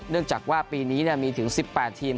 เนื่องจากว่าปีนี้มีถึง๑๘ทีม